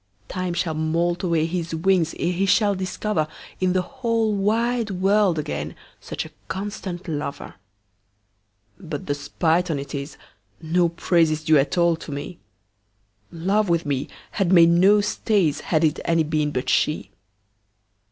Time shall moult away his wingsEre he shall discoverIn the whole wide world againSuch a constant lover. But the spite on 't is, no praiseIs due at all to me:Love with me had made no stays, Had it any been but she.